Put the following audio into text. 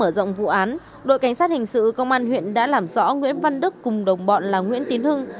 mở rộng vụ án đội cảnh sát hình sự công an huyện đã làm rõ nguyễn văn đức cùng đồng bọn là nguyễn tín hưng